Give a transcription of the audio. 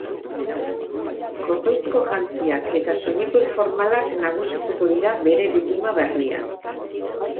Kotoizko jantziak eta soineko informalak nagusituko dira bere bilduma berrian.